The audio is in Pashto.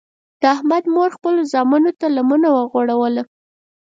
د احمد مور خپلو زمنو ته لمنه وغوړوله.